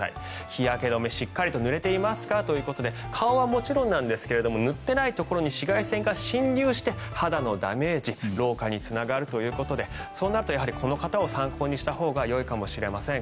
日焼け止め、しっかり塗れていますか？ということで顔はもちろんなんですが塗っていないところに紫外線が侵入して肌のダメージ老化につながるということでそうなるとこの方を参考にしたほうがよいかもしれません。